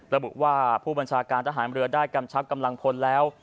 ระบุว่าผู้บัญชาการทหารเรือได้กำชับกำลังพลแล้ว